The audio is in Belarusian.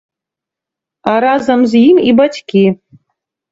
А разам з ім і бацькі.